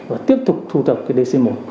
và tiếp tục thu thập cái dc một